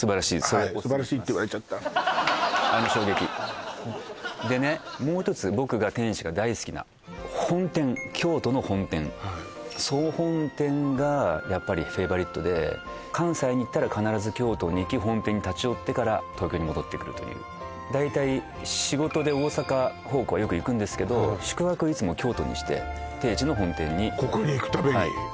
素晴らしいって言われちゃったあの衝撃でねもう一つ僕が天一が大好きな本店京都の本店総本店がやっぱりフェイバリットで関西に行ったら必ず京都に行き本店に立ち寄ってから東京に戻ってくるという大体仕事で大阪方向はよく行くんですけど天一の本店にここに行くためにはい